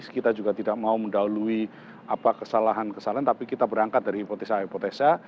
kita juga tidak mau mendalui apa kesalahan kesalahan tapi kita berangkat dari hipotesa hipotesa